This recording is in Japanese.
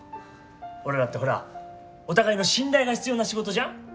俺らってほらお互いの信頼が必要な仕事じゃん？